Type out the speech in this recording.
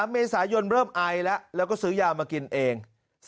เมษายนเริ่มไอแล้วแล้วก็ซื้อยามากินเอง